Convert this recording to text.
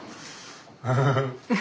フフフフ。